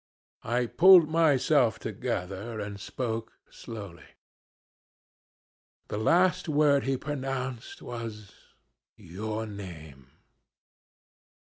"I pulled myself together and spoke slowly. "'The last word he pronounced was your name.'